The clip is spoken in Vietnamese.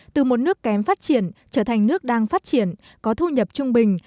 từ một nước kém phát triển trở thành nước đang phát triển có thu nhập trung bình